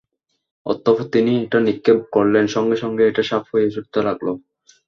অতঃপর তিনি এটা নিক্ষেপ করলেন, সঙ্গে সঙ্গে এটা সাপ হয়ে ছুটতে লাগল।